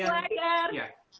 betul menang di pantai kelayar